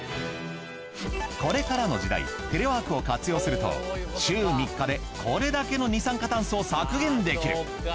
これからの時代テレワークを活用すると週３日でこれだけの二酸化炭素を削減できる。